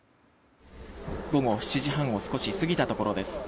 午後７時半を少し過ぎたところです。